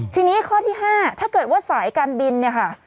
ทีนี้ข้อที่๕ถ้าเกิดว่าสายการบินเนี่ยค่ะ